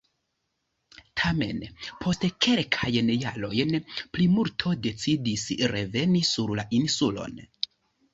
Tamen, post kelkajn jarojn, plimulto decidis reveni sur la insulon.